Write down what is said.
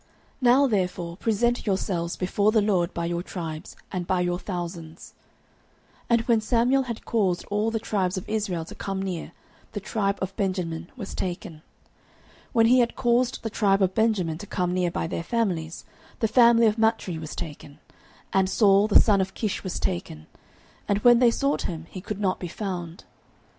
Now therefore present yourselves before the LORD by your tribes, and by your thousands. 09:010:020 And when Samuel had caused all the tribes of Israel to come near, the tribe of Benjamin was taken. 09:010:021 When he had caused the tribe of Benjamin to come near by their families, the family of Matri was taken, and Saul the son of Kish was taken: and when they sought him, he could not be found.